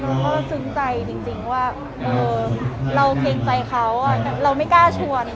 แล้วก็ซึ้งใจจริงจริงว่าเออเราเกรงใจเขาเราไม่กล้าชวน